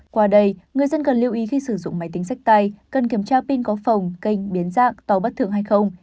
qua đây người dân cần lưu ý khi sử dụng máy tính sách tay cần kiểm tra pin có phòng kênh biến dạng tàu bất thường hay không